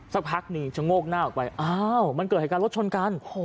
สักพักหนึ่งชะโงกหน้าออกไปอ้าวมันเกิดเหตุการณ์รถชนกัน